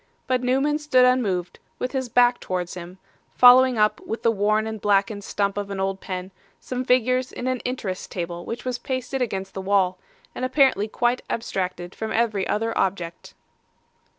But Newman stood unmoved, with his back towards him, following up, with the worn and blackened stump of an old pen, some figures in an Interest table which was pasted against the wall, and apparently quite abstracted from every other object.